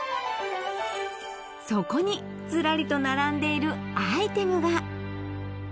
そこにずらりと並んでいるアイテムが！